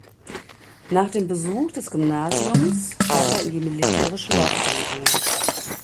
Nach dem Besuch des Gymnasiums trat er in die militärische Laufbahn ein.